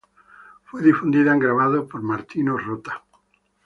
Fue difundida en grabado por Martino Rota.